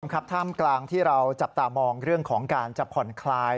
ครับท่ามกลางที่เราจับตามองเรื่องของการจะผ่อนคลาย